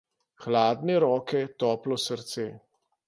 Hladne roke, toplo srce.